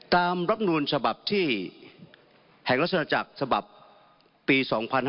ตามรับนูลฉบับที่แห่งลักษณะจักรฉบับปี๒๕๖๐